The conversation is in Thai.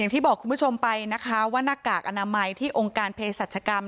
ที่บอกคุณผู้ชมไปนะคะว่าหน้ากากอนามัยที่องค์การเพศรัชกรรม